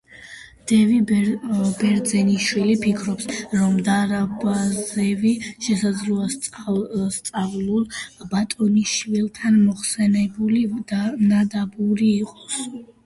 დევი ბერძენიშვილი ფიქრობს, რომ ნადარბაზევი შესაძლოა სწავლულ ბატონიშვილთან მოხსენიებული ნადაბური იყოს.